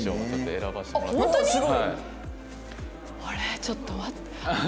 あれちょっと待って。